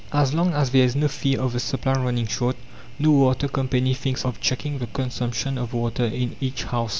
As long as there is no fear of the supply running short, no water company thinks of checking the consumption of water in each house.